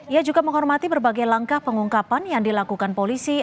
ia juga menghormati berbagai langkah pengungkapan yang dilakukan polisi